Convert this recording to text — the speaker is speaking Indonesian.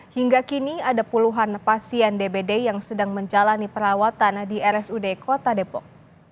hingga kini ada puluhan pasien dbd yang sedang menjalani perawatan di rsud kota depok